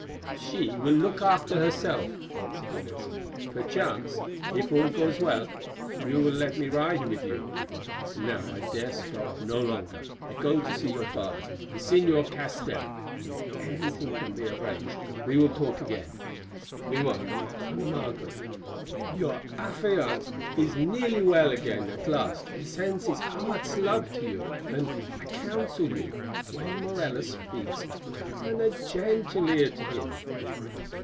"She will look after herself," answered Inez. "Perchance, if all goes well, you will let me ride with you. And now I dare stop no longer, I go to see your father, the Señor Castell, and if anything can be arranged, we will talk again. Meanwhile, Dona Margaret, your affianced is nearly well again at last and sends his heart's love to you, and, I counsel you, when Morella speaks turn a gentle ear to him."